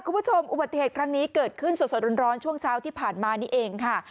คุณผู้ชมอุบัติเหตุครั้งนี้เกิดขึ้นสดร้อนช่วงเช้าที่ผ่านมานี่เองค่ะ